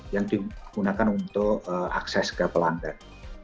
yang digunakan untuk akses ke pelanggan